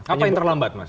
apa yang terlambat mas